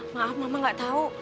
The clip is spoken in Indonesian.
maaf mama nggak tahu